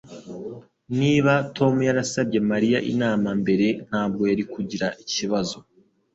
Niba Tom yarasabye Mariya inama mbere, ntabwo yari kugira iki kibazo.